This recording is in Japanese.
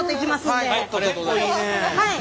はい！